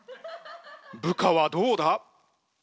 部下はどうだ？